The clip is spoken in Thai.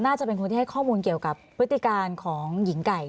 น่าจะเป็นคนที่ให้ข้อมูลเกี่ยวกับพฤติการของหญิงไก่